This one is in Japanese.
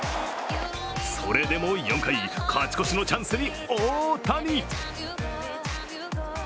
それでも４回、勝ち越しのチャンスに大谷。